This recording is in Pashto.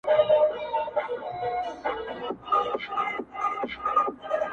ستا د خنداوو ټنگ ټکور، په سړي خوله لگوي,